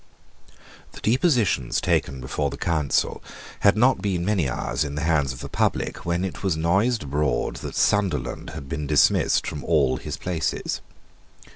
The depositions taken before the Council had not been many hours in the hands of the public when it was noised abroad that Sunderland had been dismissed from all his places.